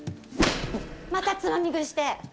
また、つまみ食いして！